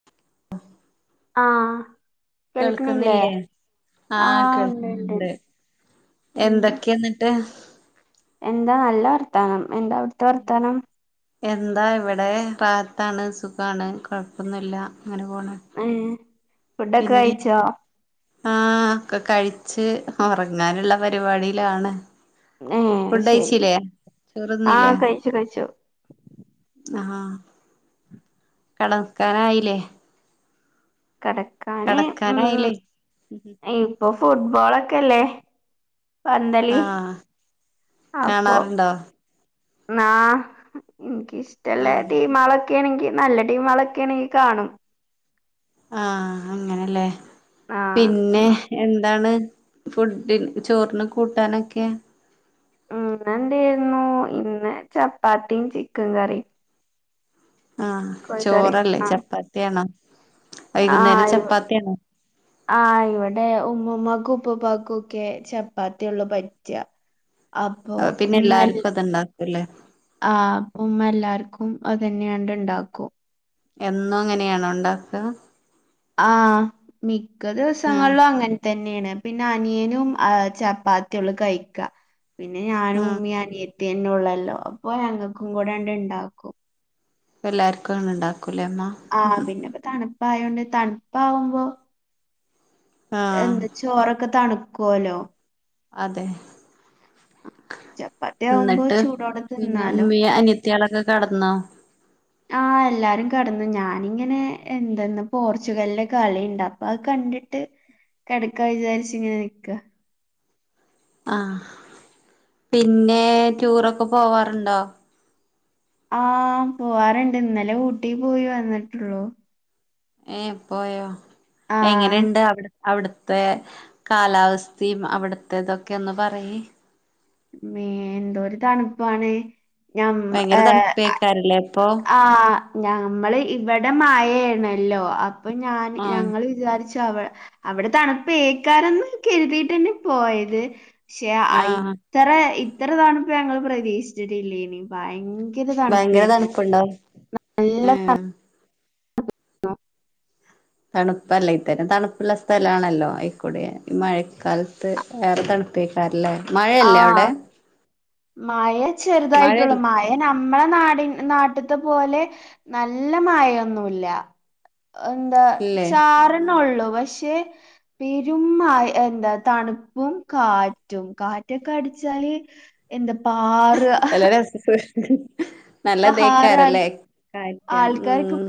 [inaudible] ആഹ് കേൾക്കണില്ലേ കേൾക്കുന്നില്ലേ ആഹ് ഉണ്ട് ഉണ്ട് കേൾക്കുന്നുണ്ട് ഉണ്ട് ഉം എന്തൊക്കെയാന്ന് ട്ട് എന്താ നല്ല വർത്താനം. എന്താ അവിടുത്തെ വർത്താനം എന്താ ഇവിടെ റാത്താണ് സുഖാണ് കൊഴപ്പൊന്നുല്ല അങ്ങനെ പോണ് ഏഹ് ഫുഡൊക്കെ പിന്നെ കഴിച്ചോ ആഹ് ഒക്കെ കഴിച്ച് ഉറങ്ങാനുള്ള പരിപാടിയിലാണ് ഏഹ് ഫുഡ് ശരി കഴിച്ചില്ലേ ചോറിന്നില്ലേ ആഹ് കഴിച്ചു കഴിച്ചു ആഹ് കെടക്കാനായില്ലേ കിടക്കാന് ഉം കടക്കാനായില്ലേ ഇപ്പൊ ഫുട്ബോളൊക്കെല്ലേ പന്തളി ആഹ് അപ്പൊ കാണാറുണ്ടോ ന്നാ എനിക്കിഷ്ട്ടള്ളേ ആഹ് ടീമാള് ഒക്കെയാണെങ്കി നല്ല ടീമുകളൊക്കെ ആണെങ്കി കാണും ആഹ് അങ്ങനല്ലേ ആഹ് പിന്നെ ഇന്ന് എന്താണ് ഫുഡിന് ചോറിന് കൂട്ടാനൊക്കെ ഉം ഇന്നെന്തായിരുന്നു ഇന്ന് ചപ്പാത്തിയും ചിക്കൻ കറിയും ആഹ് കോഴിക്കറിയും ചോറല്ലേ ആഹ് ചപ്പാത്തിയാണോ വൈകുന്നേരം ആഹ് ചപ്പാത്തിയാണോ ആഹ് ഇവിടെ ഉമ്മുമ്മാക്കും ഉപ്പുപ്പാക്കും ഒക്കെ ചപ്പാത്തിയെള്ളൂ പ റ്റുക അപ്പൊ അപ്പ പിന്നെ എല്ലാർക്കും ഉമ്മയെല്ല അത്ണ്ടാക്കുംല്ലേ ആഹ് അപ്പം ഉമ്മ എല്ലാർക്കും അതന്നെയണ്ട് ഇണ്ടാക്കും എന്നും അങ്ങനെയാണോ ഉണ്ടാക്കുക ആഹ് മിക്ക ആഹ് ദിവസങ്ങളിലും അങ്ങനെ തന്നെയാണ് പിന്നെ അനിയനും ആഹ് ചപ്പാത്തിയുള്ളൂ കഴിക്ക പിന്നെ ഞാനും ആഹ് ഉമ്മി അനിയത്തിന്നെ ഉള്ളല്ലോ അപ്പൊ ഞങ്ങൾക്കും കൂടെണ്ട് ഇണ്ടാക്കും എല്ലാവർക്കും ഉണ്ടാക്കൂലേ അമ്മ ആഹ് പിന്നെപ്പോ തണുപ്പായോണ്ട് തണുപ്പാവുമ്പോ ആഹ് എന്താ ചോറൊക്കെ തണുക്കോലോ അതെ ചപ്പാത്തി ആവുമ്പോ എന്നിട്ട് ചൂടോടെ പിന്നെ തിന്നാലോ ഉമ്മീ അനത്തിയാളൊക്കെ കിടന്നോ ആഹ് എല്ലാരും കെടന്നു ഞാനിങ്ങനെ എന്തെന്ന് പോർച്ചുഗലിന്റെ കളിയിണ്ട് അപ്പൊ അത് കണ്ടിട്ട് കിടക്കാ വിചാരിച്ച് ഇങ്ങനെ നിക്കാ ആഹ് പിന്നെ ടൂറൊക്കെ പോവാറുണ്ടോ ആഹ് പോവാറുണ്ട് ഇന്നലെ ഊട്ടി പോയി വന്നിട്ടുള്ളൂ ഏഹ് പോയോ ആഹ് എങ്ങനെയുണ്ട് അവിടെ അവിടുത്തെ കാലാവസ്ഥയും അവിടുത്തെ ഇതൊക്കെ ഒന്ന് പറയ് മേ എന്തോരു തണുപ്പാണ് ഞം ഭയങ്കര ഏഹ് തണുപ്പെയിക്കാരല്ലേ ഇപ്പോ ആഹ് ഞമ്മള് ഇവിടെ മയയാണല്ലോ അ അപ്പൊ ഞാൻ ആഹ് ഞങ്ങള് വിചാരിച്ചു അവി അവിടെ തണുപ്പ്‌ ഏക്കാനൊന്നും കരുതിയിട്ടെന്നെ പോയത് പക്ഷെ ആഹ് ഇത്ര ഇത്ര തണുപ്പ് ഞങ്ങള് പ്രതീക്ഷിച്ചിട്ടില്ലേനി, ഭയങ്കര ഭയങ്കര തണുപ്പായിരുന്നു തണുപ്പുണ്ടാവും നല്ല തണു ഏഹ് [inaudible] തണുപ്പല്ലേ ഇത്തരം തണുപ്പുള്ള സ്ഥലമാണല്ലോ അയിക്കൂടെ ഈ മഴക്കാലത്ത് വേറെ തണു പ്പായിക്കാരല്ലേ മഴയല്ലേ അവിടെ ആഹ് മഴ ചെറുതായിട്ടുള്ളൂ, മഴയല്ലേ മഴ നമ്മളെ നാടി നാട്ടിത്തെ പോലെ നല്ല മഴയൊന്നുല്ല എന്താ ഇല്ലേ ചാറുനേള്ളൂ പക്ഷെ പെരും മഴ എന്താ തണുപ്പും കാറ്റും കാറ്റൊക്കെ അടിച്ചാല് എന്താ പാറഅ എല്ലാരു എസ് സ് [unintelligible] പാറ ആൾ നല്ലതെയ്ക്കാരല്ലേ കാറ്റും ഉം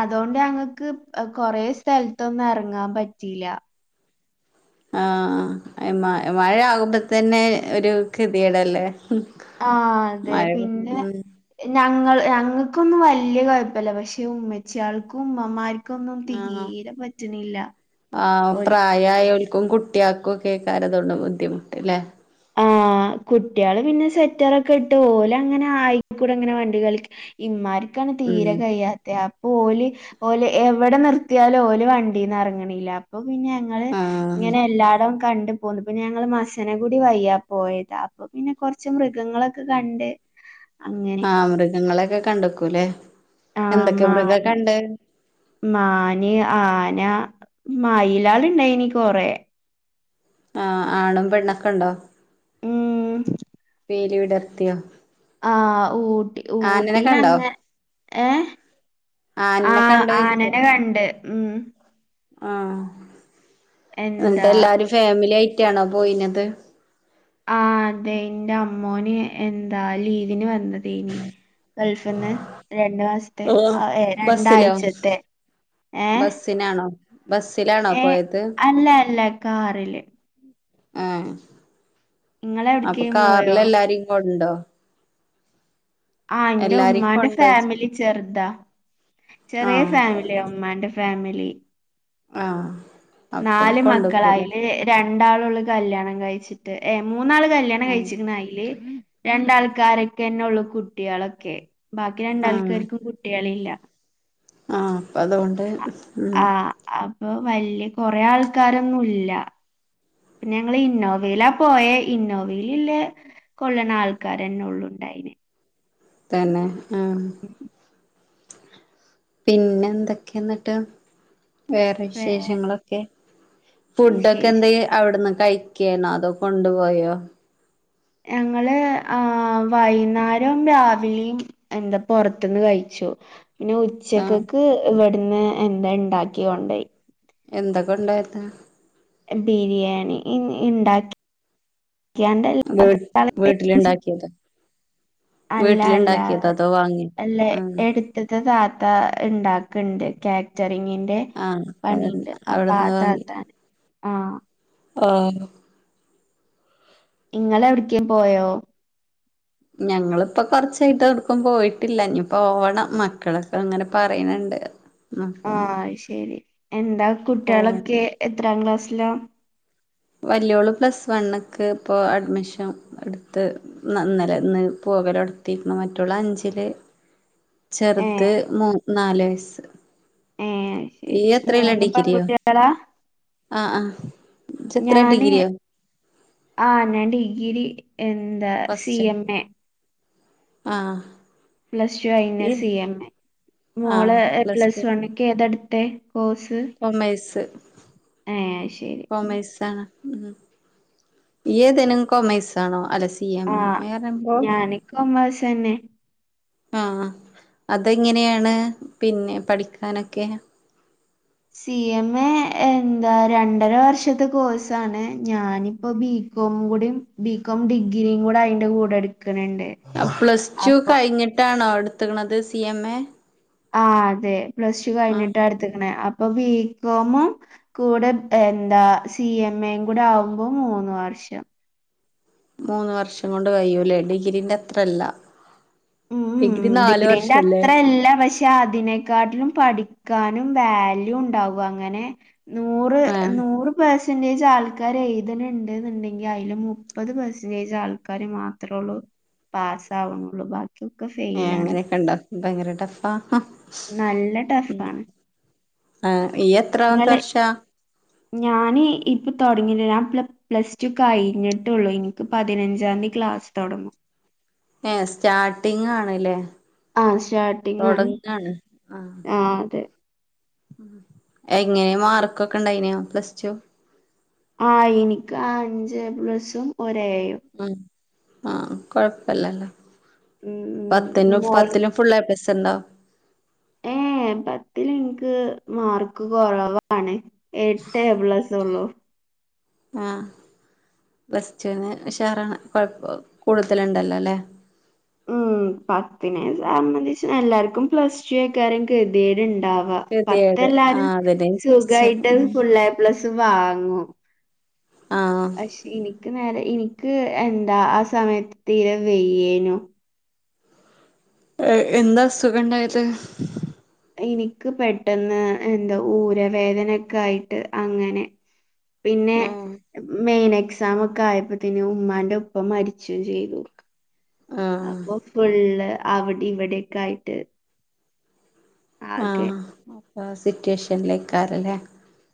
അതേണ്ട് ഞങ്ങക്ക് കൊറേ സ്ഥലത്തൊന്നും എറങ്ങാൻ പറ്റിയില ആഹ് മഴ ആകുമ്പോ തന്നെ ഒരു കതിയേടല്ലേ ആഹ് അതെ പിന്നെ ഞങ്ങള് ഞങ്ങൾക്കൊന്നും വല്യ കൊഴപ്പല്ല പക്ഷെ ഉമ്മച്ചിയാൾക്കും ഉമ്മമാർ ക്കൊന്നും ആഹ് തീരെ പറ്റണ്ല്ല ഓൽ യായോൽക്കും കുട്ടിയാക്കൊക്കെക്കാരം ഇതോണ്ട് ബുദ്ധിമുട്ട് ല്ലേ ആഹ് കുട്ട്യാള് പിന്നെ സ്വെറ്ററൊക്കെ ഇട്ട് ഓല് അങ്ങനെ ആയിക്കൂടെങ്ങനെ മണ്ടി കളി ഇമ്മാര്ക്കാണ് തീരെ ഉം കയ്യാത്തെ അ ഓല് ഓല് എവിടെ നിർത്തിയാലും ഓല് വണ്ടീന്ന് അറങ്ങ്ണില്ല അപ്പൊ പിന്നെ ഞങ്ങള് ആഹ് ഇങ്ങനെ എല്ലാടോം കണ്ട് പോന്നു പിന്നെ ഞങ്ങള് മസനഗു ഊട്ടി വയ്യ പോയത് അപ്പോ പിന്നെ കൊറച്ച് മൃഗങ്ങളൊക്കെ കണ്ട് അങ്ങ ആഹ് മൃഗങ്ങളെക്കെ കണ്ടക്കൂല്ലേ ആഹ് എന്തൊക്കെ മൃഗാ മാൻ കണ്ടേ മാന് ആന മയിലാളിണ്ടേനി കൊറേ ആഹ് ആണും പെണ്ണൊക്കെ ണ്ടോ ഉം പീലിവിടർത്തിയോ ആ ഊട്ടി കണ്ടോ ഊട്ടിലങ്ങ ഏ ആനിനെ ആഹ് കണ്ടോയ്ച്ച ആനനെ കണ്ട് ഉം ആഹ് എന്താ ന്നിട്ട് എല്ലാരും ഫാമിലി ആയിട്ടാണോ പോയിനത് ആഹ് അതെ ഇന്റെ അമ്മോന് എന്താ ലീവിന് വന്ന തേനി ഗൾഫിന്ന് രണ്ടു മാസത്തെ ഓഹ് ഏഹ് ബസ്സിലോ രണ്ടാഴ്ചത്തെ ഏ ബസ്സിനാണോ ബസ്സിലാണോ ഏ പോയത് അല്ല അല്ല കാറില് ഏഹ് അപ്പൊ നിങ്ങളെവിടേക്കേലും പോയോ കാറിലരിലം കൊണ്ടോ ആഹ് ന്റെ എല്ലാരിം ഉമ്മാന്റെ കൊണ്ടോയ്ച്ച ഫാമിലി ചെറ്താ ചെറിയ ആഹ് ഫാമിലി ന്റെ ഉമ്മാന്റെ ഫാമിലി ആഹ് അപ്പൊ നാല് മക്കള കൊണ്ടോക്കൂലേ അയില് രണ്ടാളൊള്ളൂ കല്യാണം കയിച്ചിട്ട് ഏ മൂന്നാള് കല്ല്യാണം ആഹ് കയിച്ച്ണ് അയില് രണ്ടാൾക്കാരിക്കെന്നൊള്ളു കുട്ട്യാളൊക്കെ ബാക്കി ആഹ് രണ്ടാൾക്കാർക്ക് കുട്ട്യാളില്ല ആഹ് അപ്പതോണ്ട് അ ഉം ആഹ് അപ്പൊ വല്യ കൊറേ ആൾക്കാരൊന്നും ഇല്ല പിന്നെ ഞങ്ങള് ഇന്നോവയില പോയെ ഇന്നോവേലില്ലേ കൊള്ളണ്ളെ അൾക്കാരെന്നൊള്ളു ഇണ്ടായിനെ തന്നെ ആഹ് ഉം പിന്നെന്തൊക്കെയാ ന്നട്ട് വേറെ വേറെ വിശേഷങ്ങളൊക്കെ ഫുഡൊക്കെ വിശേഷം എന്തെ അവിട്ന്ന് കഴിക്കേനോ അതോ കൊണ്ടു പോയോ ഞങ്ങള് ആഹ് വൈന്നേരം രാവിലിം എന്താ പൊറത്ത്ന്ന് കഴിച്ചു പിന്നെ ആഹ് ഉച്ചക്കക്ക് ഇവിടുന്ന് എന്താ ഇണ്ടാക്കി കൊണ്ടേയി എന്താ കൊണ്ടോയത് ബിരിയാണി ഇ ഇണ്ടാക്കി കൃയാണ്ട് വീ വീട്ടിലിണ്ടാക്കിയത് അല്ല അല്ല വീട്ടിലിണ്ടാക്കിയതോ അതോ വാങ്ങിയ ആഹ് അടുത്തിത്തെ താത്ത ഇണ്ടാക്കണ്ട് കാറ്ററിങ്ങി ന്റെ ആഹ് പണിണ്ട് അപ്പ അവിടുന്ന് താത്താനെ ആഹ് ആഹ് ഇങ്ങളെവിട്ക്കേം പോയോ ഞങ്ങളിപ്പോ കൊറച്ചായിട്ട് എവടക്കും പോയിട്ടില്ല ഇനി പോവണം മക്കളൊക്കെ അങ്ങനെ പറയണണ്ട് അപ്പൊ ആഹ് അയ്ശേരി എന്താ പോവണം കുട്ടികളൊക്കെ എത്രാം ക്ലാസ്സില വല്യോള് പ്ലസ് വണ്ക്ക്‌ ഇപ്പോ അഡ്മിഷൻ എടുത്ത് നന്നലെ ഇന്ന് പോകലോടുത്തിക്ക്‌ണു മറ്റൊള് അഞ്ചില് ചെറുത് ഏഹ് മൂ നാല് വയസ് ഏഹ് ശരി ഇയ്യ് എത്രെല മൂന്ന് ഡിഗ്രിയൊ പെൺകുട്ടികളാ ആഹ് ആഹ് ഇജ് എത്ര ഡിഗ്രിയോ ആഹ് ഞാൻ ഡിഗ്രി എന്താ സി ഫസ്റ്റോ എം എ ആഹ് പ്ലസ്ടു കഴിഞ്ഞ ഇയ്യ് സി എം എ ആഹ് മോള് പ്ലസ് ടു വൺക്ക് ഏതട്ത്തെ കോഴ്സ് കോമേഴ്‌സ് ഏ ശരി ഉം. കോമേഴ്‌സാണ്. ഉം ഇയ്യേതനും കോമേഴ്‌സ് ആണോ [unintelligible] സി എം ആ എ പറഞ്ഞപ്പൊ ഞാന് കൊമേഴ്സ് തന്നെ ആഹ് അതെങ്ങനെയാണ് പിന്നെ പഠിക്കാനൊക്കെ സി എം എ എന്താ രണ്ടര വർഷത്തെ കോഴ്സാണ് ഞാനിപ്പോ ബി കോം കൂടി ബികോം ഡിഗ്രിയുംകൂടെ അയ്ന്റെ കൂടെ ഇട്ക്ക്ണ് ണ്ട് പ്ലസ് ടു കഴിഞ്ഞിട്ടാണോ ഇട്ത്ക്ണത് സി എം എ ആഹ് അതെ പ്ലസ് ടു ആ കഴിഞ്ഞിട്ട ഇട്ത്തക്കണേ അപ്പൊ ബി കോം ഉം കൂടെ എന്താ സി എം എയും കൂടെ ആവുമ്പോ മൂന്ന് വർഷം മൂന്ന് വർഷം കൊണ്ട് കയ്യുല്ലേ ഡിഗ്രീന്റെ അത്രല്ല ഉം ഉം ഡിഗ്രി നാല് ഡിഗ്രീന്റെ വർഷല്ലേ അത്ര അല്ല പക്ഷെ പക്ഷെ അതിനെക്കാട്ടിലും പഠിക്കാനും വാല്യൂ ഉണ്ടാകും അങ്ങനെ നൂറ് ആ നൂറ് പേഴ്സ്- സെന്റേജ് ആൾക്കാര് എഴുത്ണണ്ട്ന്ന്ണ്ടെങ്കി അതില് മുപ്പത് പെർസെന്റേജ് ആൾക്കാര് മാത്രൊള്ളൂ പാസാവൊണൊള്ളൂ ബാക്കി [unintelligible] ഏ അങ്ങനൊക്കെ ഇണ്ടോ ഭയങ്കര ടഫാ നല്ല ടഫാണ് ആഹ് ഇയ്യ് എത്രാമത്തെ വർഷ ഞാനി ഇപ്പൊ തൊടങ്ങിന് [unintelligible] പ്ലസ് ടു കഴിഞ്ഞിട്ടുള്ളു ഇൻക്ക് പതിനഞ്ചാംതി ക്ലാസ് തൊടങ്ങും. ഏ സ്റ്റാർട്ടിങ് ആണ്ല്ലേ ആ തൊടങ്ങാണ് ആഹ് ആഹ് അതെ എങ്ങനെ മാർക്കൊക്കെ ഇണ്ടായിനോ പ്ലസ് ടു ആ ഇനിക്ക് അഞ്ച് എ പ്ലസും ഒര് എയും മ് ആഹ് കൊഴപ്പല്ലല്ലോ ഉം പത്തനോഫ് മോൾ പത്തിലും ഫുൾ എ പ്ലസ്സുണ്ടോ ഏ പത്തിൽ ഇൻക്ക് മാർക്ക് കൊറവാണ് എട്ട് എ പ്ലസ് ഒള്ളു ആഹ് പ്ലസ്ടു ന് ഉഷാറാണ് കൊഴപ്പൊ കൂടുതല്ണ്ടല്ലോ ല്ലേ ഉം പത്തിനെ സംബന്ധിച്ച് എല്ലാര്ക്കും പ്ലസ് ടു ഏക്കാരും കെതേട്ണ്ടാവ. ആഹ് പത്ത് ഗതികേട് എല്ലാരും ആഹ് അതന്നെ ഞാൻ ചോയിച്ചേ സുഗായിട്ട് ഫുൾ എ പ്ലസ് വാങ്ങും. ആഹ് പക്ഷെ ഇനിക്ക് നേരെ ഇനിക്ക് എന്താ ആഹ് സമയത്ത് തീരെ വെയ്യേനു ഏ എന്താ അസുഖം ഇണ്ടായത് ഇനിക്ക് പെട്ടെന്ന് എന്താ ഊരവേദനൊക്കെ ആയിട്ട് അങ്ങനെ പിന്നെ ഏഹ് മെയിൻ എക്സാം ഒക്കെ ആയപ്പോത്തിന് ഉമ്മാന്റെ ഉപ്പ മരിച്ചും ചെയ്തു. ആ അപ്പൊ ഫുള്ള് അവിടെ ഇവിടെക്കെ ആയിട്ട് ആ ആകെ അപ്പ സിറ്റുവേഷൻലേക്കാരല്ലേ.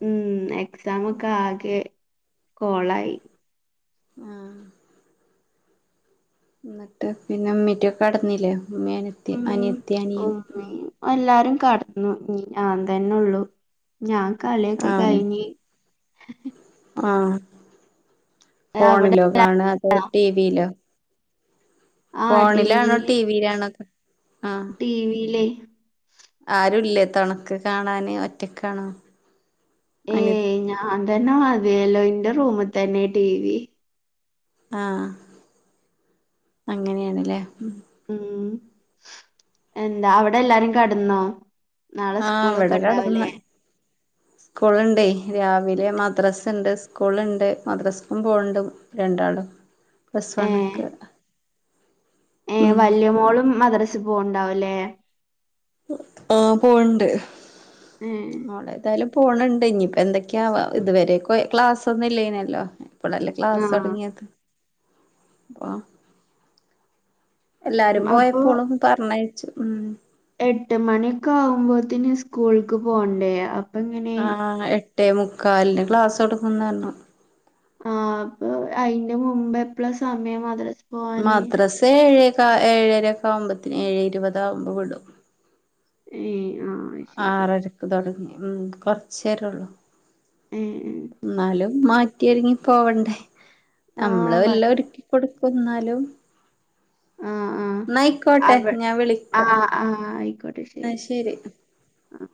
ഉം എക്സാമൊക്കെ ആകെ കൊളായി ആ ന്നട്ട് പിന്നെ ഇമ്മീറ്റൊക്കെ കടന്നില്ലേ ഇമ്മേം അനെത്തി ഉം അനിയെത്തി അനിയന് ഉമ്മയും എല്ലാരും കടന്നു ഇഞ്ഞിഞാൻ തന്നെ ഉള്ളു ഞാൻ കളിയൊക്കെ കഴിഞ്ഞ് ഹിഹി ആഹ അവിടെ ഫോണിലോ കാണാ അതോ ടിവിലോ? ആ ഫോണിലാണോ ടിവിയിലാണോ അ ടിവിലീയ് ആരുല്ലേ തെണക്ക് കാണാന് ഒറ്റക്കണോ? അന ഞാതന്നെ മതിയല്ലോ ഇന്റെ റൂമ് തന്നെ ടി വി. ആ അങ്ങനെയെണില്ലേ? ഉം. എന്താ അവടെ എല്ലാരും കടന്നോ? നാളെ ആഹ സ്കൂളൊക്കെ ഇവടെ കടന്ന്. ഉണ്ടാവില്ലേ സ്കൂള്ണ്ടയ് രാവിലെ മദ്രാസ്ണ്ട്, സ്കൂളുണ്ട്, മദ്രാസക്കും പോണണ്ട്. രണ്ടാളും പ്ലസ് ഏ വണ്ണ്ക്ക്. ഏ ഉം വല്യ മോളും മദ്രസ് പോണ്ടാവുംല്ലേ? ആ പോൺണ്ട്. ഐ ഓളഏതായാലും പോണ് ഇണ്ട് ഇനിയിപ്പോ എന്തൊക്കെയാവേ ഇതുവരെൊക്ക ക്ലാസ് ഒന്നുലേന്ന ല്ലോ. ഇപളല്ലേ ക്ലാസ് ആഹ് ഒടങ്ങിയത് അപ്പ എല്ലാരും അപ്പൊ പോയപ്പോളും പറഞ്ഞയച്ചു ഉം. എട്ട് മണിയക്കെ ആകുമ്പോത്തിന്ന് സ്കൂൾക്ക് പോണ്ടേ അ ആ എട്ടേ മുക്കാലിന് ക്ലാസ് ടങ്ങുന്നറിഞ്ഞു. ആ അപ്പൊ അയിന്റെ മുമ്പ് എപ്പഴ സമയം മദറസ് മദ്രാസ ഏഴകഏഴരക്കെ ആകുമ്പോത്തിന് ഏഴേ ഇരുമ്പതാ വുമ്പത്തിന വീടും. ഏ ആഹ! ആറരക്ക് തുൊടങ്ങി ഉം കൊറചേരള്ളു. ഏ ഏ് ന്നാലും മാറ്റിരുങ്ങി പോവണ്ടേ? ആഹ് നമ്മള് ഭയ വല്ല ഒരു കൊടുക്കുന്നാലും. ആഹ് ആഹ് ന്നയിക്കോട്ടെ അവ ഞാൻ വിളിക്ക ആഹ് ആഹ് ആയിക്കോട്ടെ ന്നാ ശരി. ആഹ്